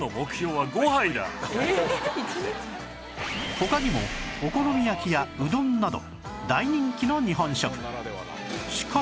他にもお好み焼きやうどんなど大人気の日本食